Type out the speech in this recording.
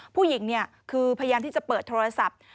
ผู้หญิงคือพยายามที่จะเปิดโทรศัพท์